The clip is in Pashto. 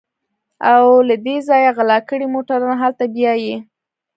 او له دې ځايه غلا کړي موټران هلته بيايي.